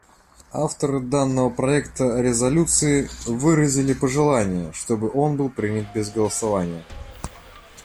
Авторы данного проекта резолюции выразили пожелание, чтобы он был принят без голосования.